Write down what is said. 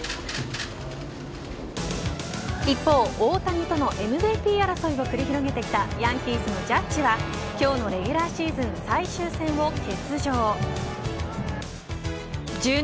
一方、大谷とのＭＶＰ争いを繰り広げてきたヤンキースのジャッジは今日のレギュラーシーズン最終戦を欠場。